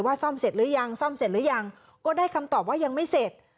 ซ่อมเสร็จหรือยังซ่อมเสร็จหรือยังก็ได้คำตอบว่ายังไม่เสร็จ